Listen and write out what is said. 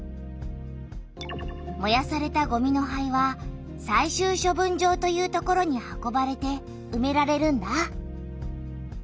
もやされたごみの灰は最終処分場という所に運ばれてうめられるんだ。